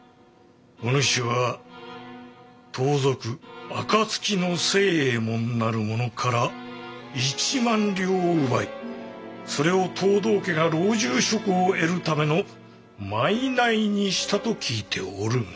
お主は盗賊暁の星右衛門なる者から１万両を奪いそれを藤堂家が老中職を得るための賄にしたと聞いておるが。